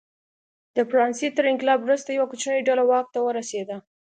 د فرانسې تر انقلاب وروسته یوه کوچنۍ ډله واک ته ورسېده.